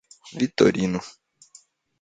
Vitorino